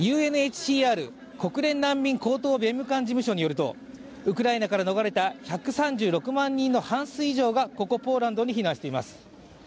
ＵＮＨＣＲ＝国連難民高等弁務官事務所によると、ウクライナから逃れた１３６万人の半数以上がここ、ポーランドに避難しています